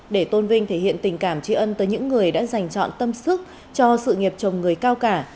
để tôn vinh thể hiện tình cảm trí ân tới những người đã dành chọn tâm sức cho sự nghiệp chồng người khác